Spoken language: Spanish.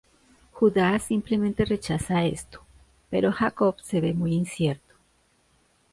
Judá simplemente rechaza esto, pero Jacob se ve muy incierto.